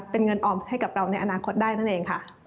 เป็นเงินออมให้กับเราในอนาคตได้นั่นเองค่ะ